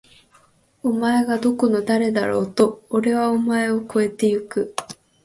お前がどこの誰だろうと！！おれはお前を超えて行く！！